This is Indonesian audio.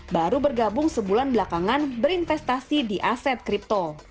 baru bergabung sebulan belakangan berinvestasi di aset kripto